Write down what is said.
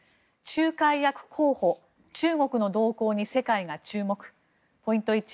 仲介役候補、中国の動向に世界が注目ポイント